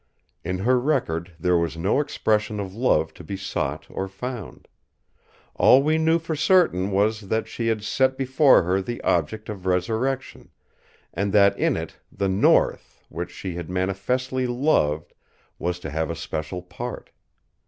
In her record there was no expression of love to be sought or found. All we knew for certain was that she had set before her the object of resurrection, and that in it the North which she had manifestly loved was to have a special part.